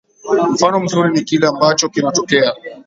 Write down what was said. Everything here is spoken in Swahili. mfano mzuri ni kile ambacho kinatokea